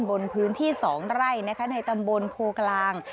บนพื้นที่๒ไร่ในตำบลโพกลาง